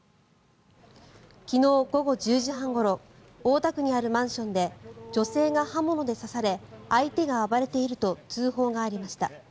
昨日午後１０時半ごろ大田区にあるマンションで女性が刃物で刺され相手が暴れていると通報がありました。